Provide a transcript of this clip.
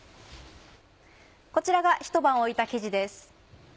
こちらがひと晩置いた生地です。